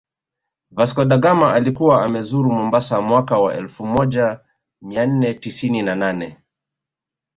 Vasco da Gama alikuwa amezuru Mombasa mwaka wa elfumoja mianne tisini na nane